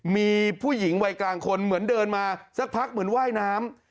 มีผู้หญิงวัยกลางคนเหมือนเดินมาสักพักเหมือนว่ายน้ำ